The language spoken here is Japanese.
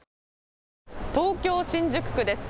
東京新宿区です。